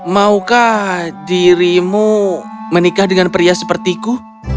maukah dirimu menikah dengan pria sepertiku